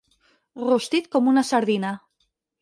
Rostit com una sardina.